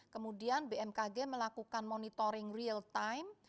kemudian bmkg melakukan monitoring real time